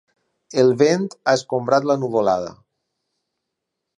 El vent ha escombrat la nuvolada.